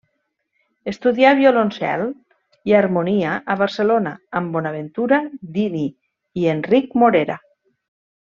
Estudià violoncel i harmonia a Barcelona amb Bonaventura Dini i Enric Morera.